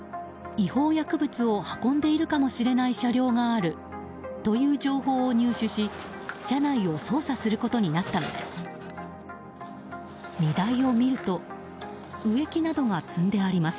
違法薬物を運んでいるかもしれない車両があるという情報を入手し車内を捜査することになったのです。